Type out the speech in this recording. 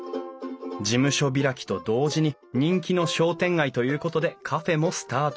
事務所開きと同時に人気の商店街ということでカフェもスタート。